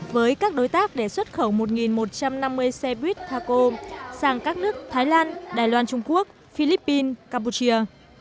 với các đối tác để xuất khẩu một một trăm năm mươi xe buýt taco sang các nước thái lan đài loan trung quốc philippines campuchia